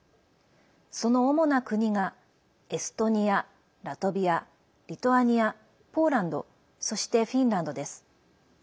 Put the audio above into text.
その主な国がエストニア、ラトビアリトアニア、ポーランドそして、フィンランドです。